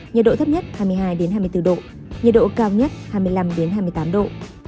nhiệt độ thấp nhất hai mươi hai hai mươi bốn độ nhiệt độ cao nhất hai mươi năm hai mươi tám độ